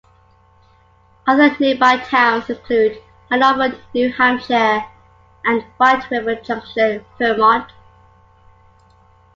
Other nearby towns include Hanover, New Hampshire and White River Junction, Vermont.